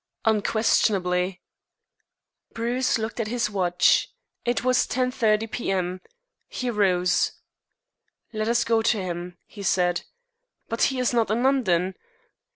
"Unquestionably." Bruce looked at his watch. It was 10.30 P.M. He rose. "Let us go to him," he said. "But he is not in London."